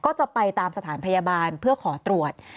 ก็จะไปตามสถานพยาบาลเพื่อขอตรวจ